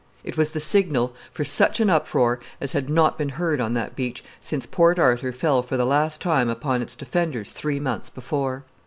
It was the signal for such an uproar as had not been heard on that beach since Port Arthur fell for the last time upon its defenders three months before.